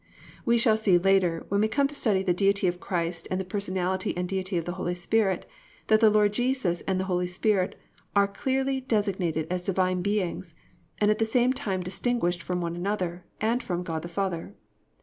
"+ We shall see later, when we come to study the Deity of Christ and the Personality and Deity of the Holy Spirit, that the Lord Jesus and the Holy Spirit are clearly designated as divine beings and at the same time distinguished from one another, and from God the Father.